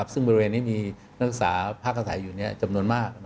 ซึ่งบริเวณนี้มีนักศึกษาพักอาศัยอยู่จำนวนมาก